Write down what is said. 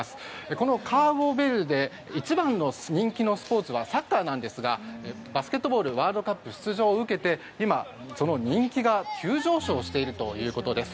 このカーボベルデ一番の人気のスポーツはサッカーなんですがバスケットボールワールドカップ出場を受けて今、人気が急上昇しているということです。